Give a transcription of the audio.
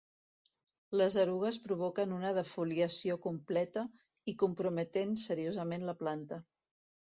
Les erugues provoquen una defoliació completa i comprometent seriosament la planta.